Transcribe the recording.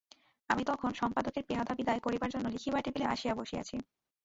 আমি তখন সম্পাদকের পেয়াদা বিদায় করিবার জন্য লিখিবার টেবিলে আসিয়া বসিয়াছি।